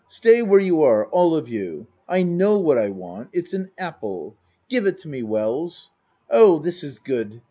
Stay where you are all of you. I know what I want. It's an apple. Give it to me, Wells. Oh This is good!